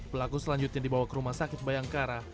pelaku selanjutnya dibawa ke rumah sakit bayangkara